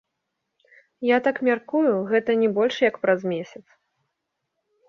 Я так мяркую, гэта не больш як праз месяц.